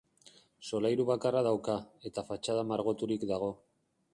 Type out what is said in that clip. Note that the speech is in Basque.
Solairu bakarra dauka, eta fatxada margoturik dago.